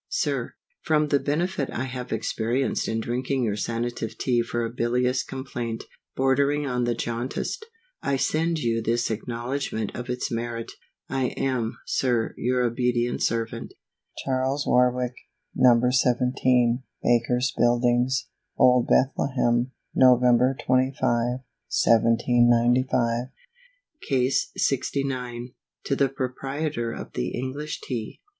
SIR, FROM the benefit I have experienced in drinking your Sanative Tea for a bilious complaint, bordering on the jaundice, I send you this acknowledgment of its merit. I am, Sir, Your obedient servant, CHARLES WARWICK. No. 17, Baker's Buildings, Old Bethlem, Nov. 25, 1795. CASE LXIX. To the Proprietor of the ENGLISH TEA.